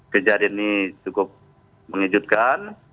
kejadian ini cukup mengejutkan